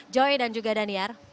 joy dan juga daniar